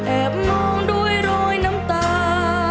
มองด้วยรอยน้ำตา